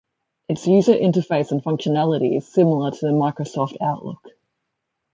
Its user interface and functionality is similar to Microsoft Outlook.